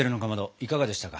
いかがでしたか？